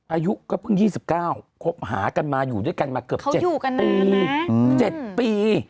อายุก็เพิ่ง๒๙พบหากันมาอยู่ด้วยกันมาเกือบ๗ปีเขาอยู่กันนานนะ๗ปี